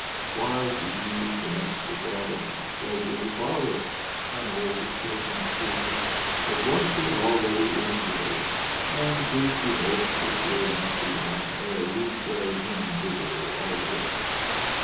Why should you so much regard the displeasure of your father? — an old doting fool, with one foot already in the grave, and 'tis to be hoped it will not be long ere we carry him thither altogether.